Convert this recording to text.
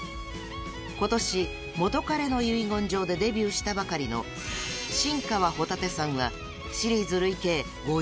［今年『元彼の遺言状』でデビューしたばかりの新川帆立さんは］